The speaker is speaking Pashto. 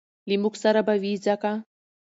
له موږ سره به وي ځکه